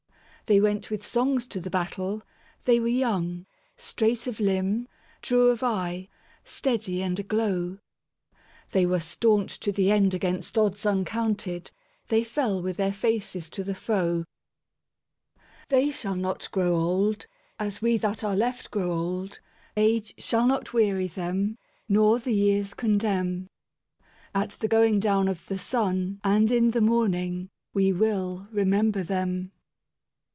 They went with songs to the battle, they were young, Straight of limb, true of eye, steady and aglow. They were staunch to the end against odds uncounted; They fell with their faces to the foe. They shall grow not old, as we that are left grow old:Age shall not weary them, nor the years condemn.At the going down of the sun and in the morningWe will remember them.